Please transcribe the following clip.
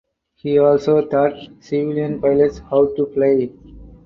He also taught civilian pilots how to fly.